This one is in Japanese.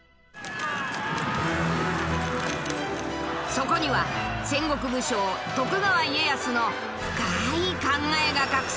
そこには戦国武将徳川家康の深い考えが隠されていた。